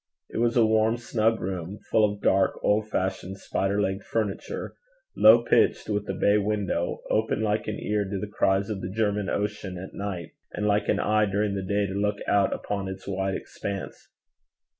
It was a warm, snug room, full of dark, old fashioned, spider legged furniture; low pitched, with a bay window, open like an ear to the cries of the German Ocean at night, and like an eye during the day to look out upon its wide expanse.